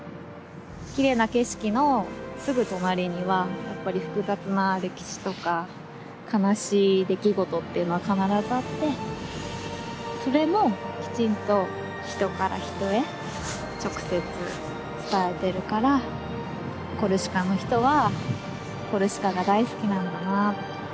きれいな景色のすぐ隣にはやっぱり複雑な歴史とか悲しい出来事っていうのは必ずあってそれもきちんと人から人へ直接伝えてるからコルシカの人はコルシカが大好きなんだなって。